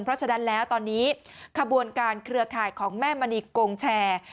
เพราะฉะนั้นแล้วตอนนี้ขบวนการเครือข่ายของแม่มณีโกงแชร์